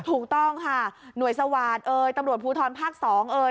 ถูกต้องค่ะหน่วยสวาสตเอ่ยตำรวจภูทรภาค๒เอ่ย